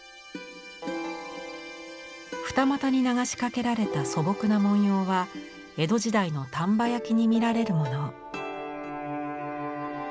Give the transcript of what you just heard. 二股に流しかけられた素朴な文様は江戸時代の丹波焼に見られるもの。